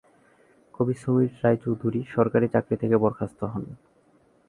কবি সমীর রায়চৌধুরী সরকারি চাকরি থেকে বরখাস্ত হন।